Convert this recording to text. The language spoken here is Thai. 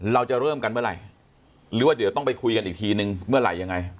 เราจะเริ่มกันเมื่อไหร่หรือว่าเดี๋ยวต้องไปคุยกันอีกทีนึงเมื่อไหร่ยังไง